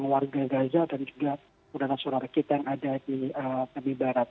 yang warga gaza dan juga budaya surara kita yang ada di tepi barat